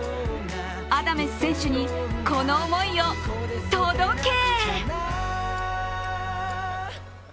アダメス選手に、この思いよ、届け。